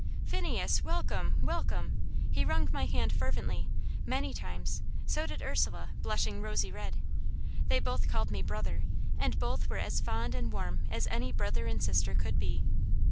"Phineas, welcome, welcome!" He wrung my hand fervently, many times; so did Ursula, blushing rosy red. They both called me "brother," and both were as fond and warm as any brother and sister could be.